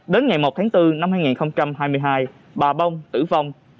đến ngày một tháng bốn năm hai nghìn hai mươi hai bà bông tử vong